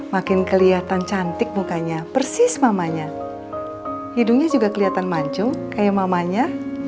makin kelihatan cantik mukanya persis mamanya hidungnya juga kelihatan mancu kayak mamanya